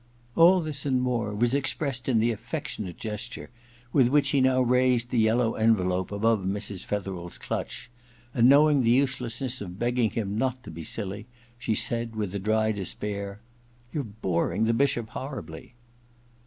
All this and more was expressed in the II EXPIATION 97 afiectionate gesture with which he now raised the yellow envelope above Mrs Fetherel's clutch ; and knowing the uselessness of begging him not to be silly, she said with a dry despair :* You're boring the Bishop horribly.'